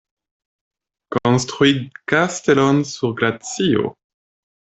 Konstrui kastelon sur glacio.